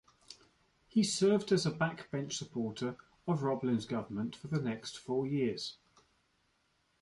He served as a backbench supporter of Roblin's government for the next four years.